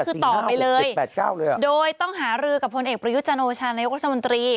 ก็คือต่อไปเลยโดยต้องหารือกับผลเอกประยุจจันทร์โอชาญนายกุศมนตรี